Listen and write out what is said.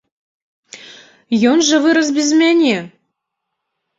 Ён жа вырас без мяне.